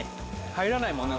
入らないもんね